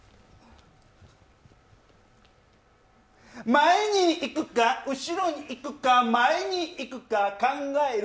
前に行くか、後ろに行くか前に行くか考える、